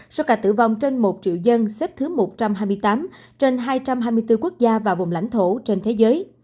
số ca tử vong trên một triệu dân xếp thứ một trăm hai mươi tám trên hai trăm hai mươi bốn quốc gia và vùng lãnh thổ trên thế giới